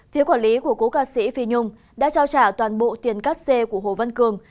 phía quản lý của cố ca sĩ phi nhung đã trao trả toàn bộ tiền cắt xê của hồ văn cường